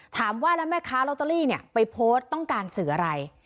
ถามว่าแล้วแม่ค้าลอตเตอรี่เนี่ยไปโพสต์ต้องการสื่ออะไร